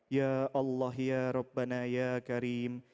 ya allah ya rabbana ya karim